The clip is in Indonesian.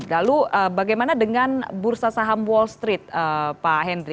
lalu bagaimana dengan bursa saham wall street pak hendry